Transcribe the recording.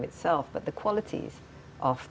tetapi juga kualitas guru